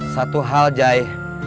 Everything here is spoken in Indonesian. satu hal jai